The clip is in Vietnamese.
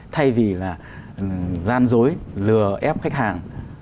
thay vì là gian dối lừa ép khách hàng